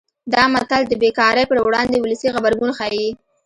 دا متل د بې کارۍ پر وړاندې ولسي غبرګون ښيي